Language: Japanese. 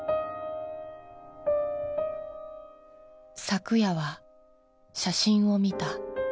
「昨夜は写真を見た」